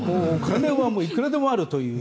お金はいくらでもあるという。